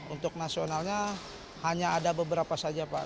untuk nasionalnya hanya ada beberapa saja pak